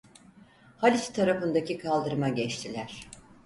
Haliç tarafındaki kaldırıma geçtiler.